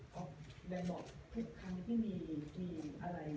ขอบคุณครับ